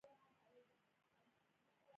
دوی خپل تخنیکونو ته غوره والی ورکاوه